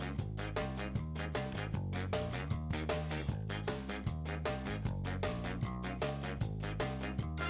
โหใครใครรู้อ่ะเอ้า